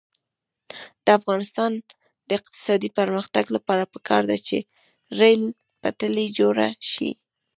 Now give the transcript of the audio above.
د افغانستان د اقتصادي پرمختګ لپاره پکار ده چې ریل پټلۍ جوړه شي.